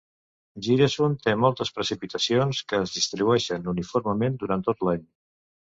Giresun té moltes precipitacions, que es distribueixen uniformement durant tot l'any.